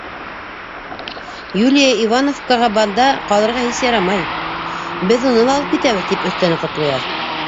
— Юлия Ивановкаға бында ҡалырға һис ярамай, беҙ уны ла алып китәбеҙ, — тип өҫтәне Ҡотлояр.